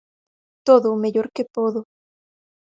_Todo o mellor que podo.